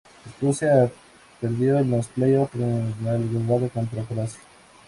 Escocia perdió en los playoffs en el agregado contra Croacia.